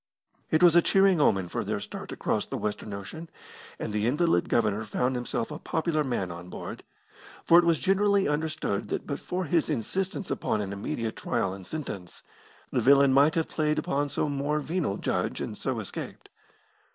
It was a cheering omen for their start across the Western Ocean, and the invalid Governor found himself a popular man on board, for it was generally understood that but for his insistence upon an immediate trial and sentence, the villain might have played upon some more venal judge and so escaped.